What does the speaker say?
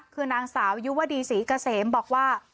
คือนางสาวยุวดีศรีเกษมบอกว่า